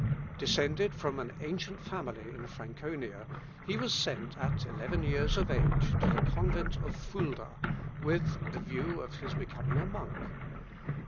Descended from an ancient family in Franconia, he was sent at eleven years of age, to the Convent of Foulda, with the view of his becoming a monk.